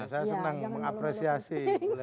saya senang mengapresiasi